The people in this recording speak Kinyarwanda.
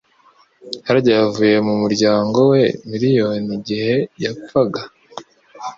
Harry yavuye mu muryango we miliyoni igihe yapfaga